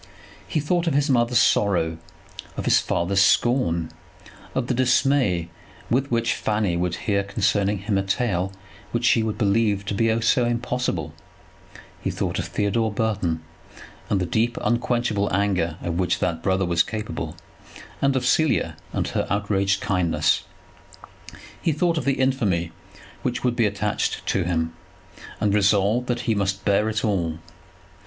He thought of his mother's sorrow, of his father's scorn, of the dismay with which Fanny would hear concerning him a tale which she would believe to be so impossible; he thought of Theodore Burton, and the deep, unquenchable anger of which that brother was capable, and of Cecilia and her outraged kindness; he thought of the infamy which would be attached to him, and resolved that he must bear it all.